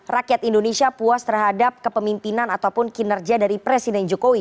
rakyat indonesia puas terhadap kepemimpinan ataupun kinerja dari presiden jokowi